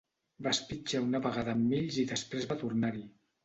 Va espitxar una vegada en Mills i després va tornar-hi.